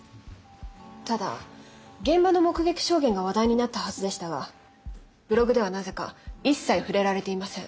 ただ現場の目撃証言が話題になったはずでしたがブログではなぜか一切触れられていません。